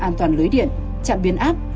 an toàn lưới điện chạm biến áp